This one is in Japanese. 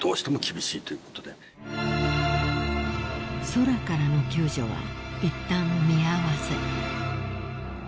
［空からの救助はいったん見合わせ］